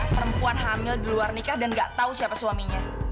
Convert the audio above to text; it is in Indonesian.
perempuan hamil di luar nikah dan nggak tahu siapa suaminya